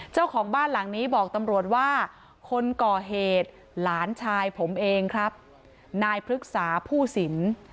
เจ้าของบ้านหลังนี้บอกตำรวจว่าคนก่อเหตุหลานชายผมเองครับนายพฤกษาผู้สิน